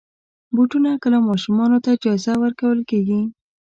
بوټونه کله ماشومانو ته جایزه ورکول کېږي.